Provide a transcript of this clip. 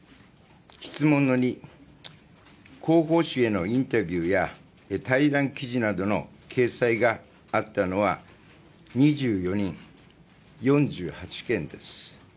質問の２広報誌へのインタビューや対談記事などの掲載があったのは２４人、４８件です。